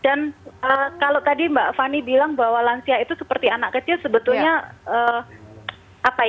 dan kalau tadi mbak fani bilang bahwa lansia itu seperti anak kecil sebetulnya apa ya